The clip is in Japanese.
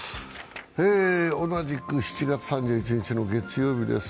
同じく７月３１日の月曜日です。